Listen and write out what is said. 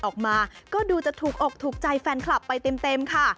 ออกมาก็ดูจะถูกอกถูกใจแฟนคลับไปเต็มค่ะ